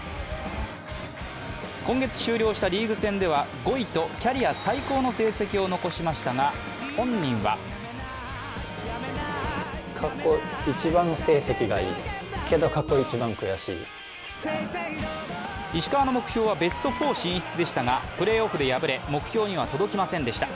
今月終了したリーグ戦では５位とキャリア最高の成績を残しましたが、本人は石川の目標はベスト４進出でしたがプレーオフで敗れ、目標には届きませんでした。